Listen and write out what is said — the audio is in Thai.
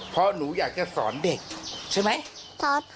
เพราะหนูอยากจะสอนเด็กใช่ไหม